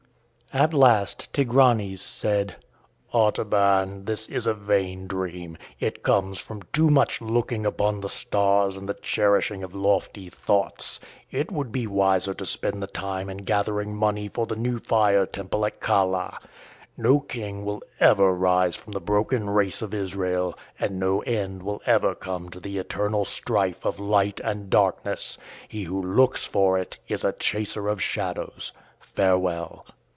At last Tigranes said: "Artaban, this is a vain dream. It comes from too much looking upon the stars and the cherishing of lofty thoughts. It would be wiser to spend the time in gathering money for the new fire temple at Chala. No king will ever rise from the broken race of Israel, and no end will ever come to the eternal strife of light and darkness. He who looks for it is a chaser of shadows. Farewell."